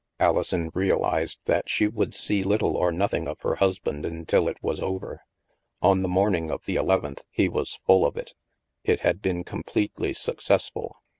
Alison realized that she would see little or nothing of her husband until it was over. On the morning of the eleventh, he was full of it. It had been completely successful.